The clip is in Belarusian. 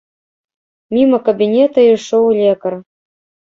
Міма кабінета ішоў лекар.